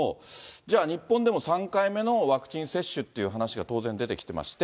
じゃあ、日本でも３回目のワクチン接種っていう話が当然、出てきていまして。